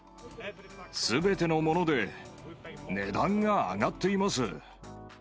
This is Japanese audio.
すべてのもので値段が上がっています。